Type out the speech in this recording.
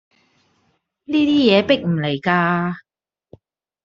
呢啲嘢迫唔嚟架